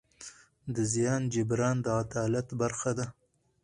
د زیان جبران د عدالت برخه ده.